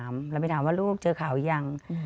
เราไปถามว่าลูกเจอเขายัง